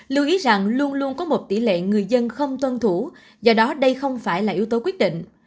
lưu ý rằng luôn luôn có một tỷ lệ người dân không tuân thủ do đó đây không phải là yếu tố quyết định